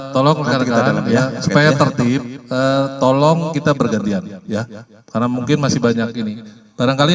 tolong rekan rekan ya supaya tertib tolong kita bergantian ya karena mungkin masih banyak ini barangkali